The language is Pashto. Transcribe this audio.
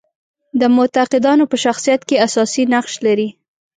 د معتقدانو په شخصیت کې اساسي نقش لري.